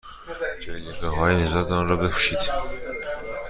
جلیقههای نجات تان را بپوشید.